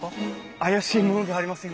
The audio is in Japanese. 怪しい者ではありません。